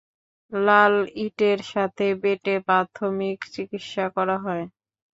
লাল ইটের সাথে বেটে প্রাথমিক চিকিৎসা করা হয়।